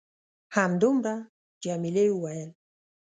همدومره؟ جميلې وويل:.